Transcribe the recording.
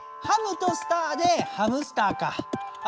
「ハム」と「スター」で「ハムスター」か。